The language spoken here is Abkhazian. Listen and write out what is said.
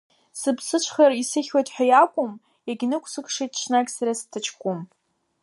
Сыԥсыҽхар исыхьуеит ҳәа иакәым, иагьнықәсықшеит ҽнак сара сҭаҷкәым.